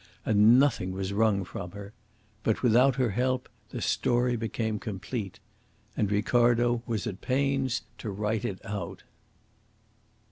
And nothing was wrung from her. But without her help the story became complete. And Ricardo was at pains to write it out.